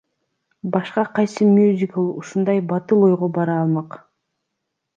Башка кайсы мюзикл ушундай батыл ойго бара алмак?